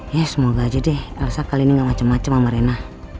ya semoga aja deh elsa kali ini gak macem macem sama rena